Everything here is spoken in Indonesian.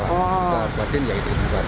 kita harus wajin ya itu yang diperluas